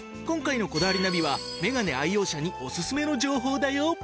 今回の『こだわりナビ』はメガネ愛用者におすすめの情報だよ。